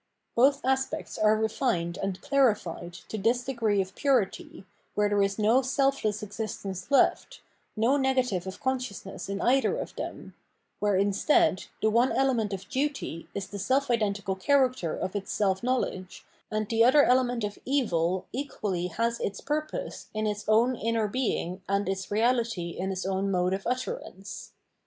Both aspects are refined and clarified to this degree of purity, where there is no self less existence left, no nega tive of consciousness in either of them, where, instead, the one element of " duty " is the self identical character of its self knowledge, and the other element of " evil " equally has its purpose in its own inner being and its reality in its own mode of utterance.